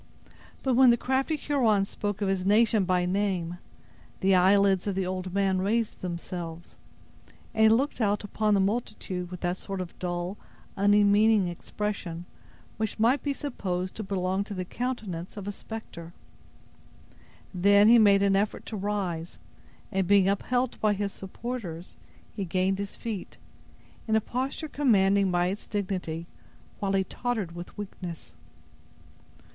But when the crafty Huron spoke of his nation by name, the eyelids of the old man raised themselves, and he looked out upon the multitude with that sort of dull, unmeaning expression which might be supposed to belong to the countenance of a specter. Then he made an effort to rise, and being upheld by his supporters, he gained his feet, in a posture commanding by its dignity, while he tottered with weakness.